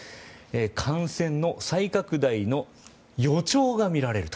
感染の再拡大の予兆が見られると。